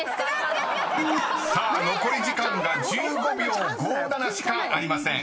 ［さあ残り時間が１５秒５７しかありません。